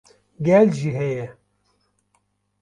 gel jî heye